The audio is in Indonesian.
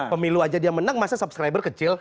pemilu aja dia menang masa subscriber kecil